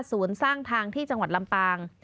ศูนย์สร้างทางที่จังหวัดลำปาง